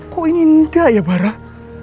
kok ini enggak ya barah